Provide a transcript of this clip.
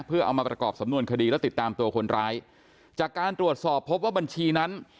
เพื่อเอามาประกอบสำนวนคดีและติดตามตัวคนร้ายจากการตรวจสอบพบว่าบัญชีนั้น